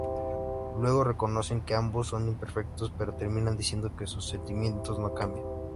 Luego reconocen que ambos son imperfectos pero terminan diciendo que sus sentimientos no cambian.